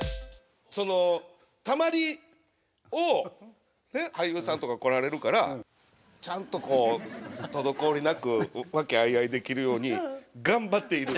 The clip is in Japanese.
たまりを俳優さんとか来られるからちゃんとこう滞りなく和気あいあいできるように頑張っている。